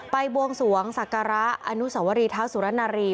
บวงสวงศักระอนุสวรีเท้าสุรนารี